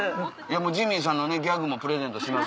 ジミーさんのギャグもプレゼントします。